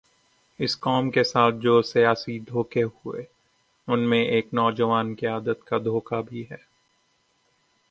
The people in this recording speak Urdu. اس قوم کے ساتھ جو سیاسی دھوکے ہوئے، ان میں ایک نوجوان قیادت کا دھوکہ بھی ہے۔